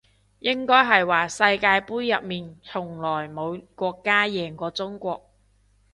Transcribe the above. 應該話係世界盃入面從來冇國家贏過中國